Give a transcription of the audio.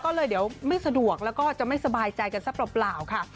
ก็เลยเดี๋ยวไม่สะดวกแล้วก็จะไม่สบายใจกันซะเปล่าค่ะ